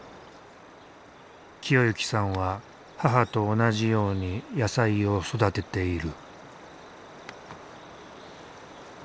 清幸さんは母と同じように野菜を育てている。